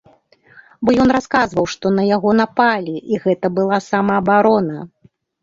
Бо ён расказваў, што на яго напалі і гэта была самаабарона.